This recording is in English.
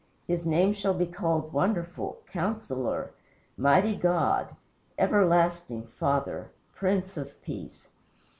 His name shall be called Wonderful, Counsellor, Mighty God, Everlasting Father, Prince of Peace.